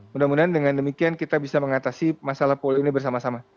mudah mudahan dengan demikian kita bisa mengatasi masalah polio ini bersama sama